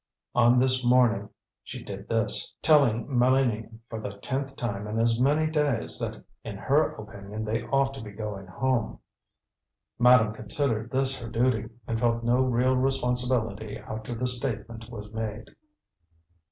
On this morning she did this, telling Mélanie, for the tenth time in as many days, that in her opinion they ought to be going home. Madame considered this her duty, and felt no real responsibility after the statement was made.